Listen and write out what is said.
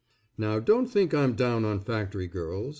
Now don't think I'm down on factory girls.